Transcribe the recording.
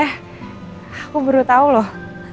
aku baru tau loh